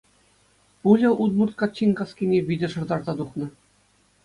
Пуля удмурт каччин каскине витӗр шӑтарса тухнӑ.